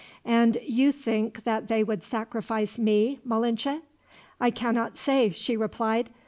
"And you think that they would sacrifice me, Malinche?" "I cannot say," she replied.